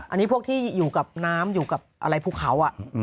อันนี้พวกที่อยู่กับน้ำอยู่กับอะไรภูเขา